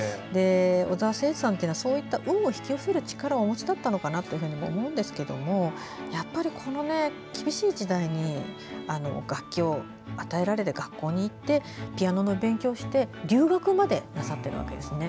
小澤征爾さんはそういった運を引き寄せる力もお持ちだったのかなというふうに思うんですけど、やっぱり厳しい時代に楽器を与えられて学校に行ってピアノの勉強をして、留学までなさってるわけですよね。